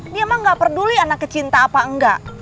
dia emang gak peduli anak kecinta apa enggak